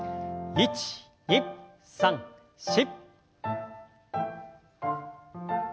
１２３４。